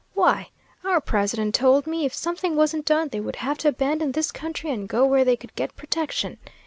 Why, our president told me if something wasn't done they would have to abandon this country and go where they could get protection.